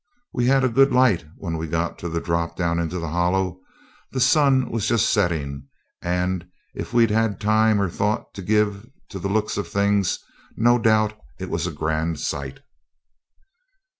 We had a good light when we got to the drop down into the Hollow. The sun was just setting, and if we'd had time or thought to give to the looks of things, no doubt it was a grand sight.